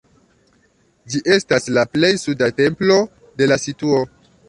Ĝi estas la plej suda templo de la situo.